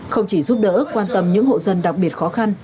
không chỉ giúp đỡ quan tâm những hộ dân đặc biệt khó khăn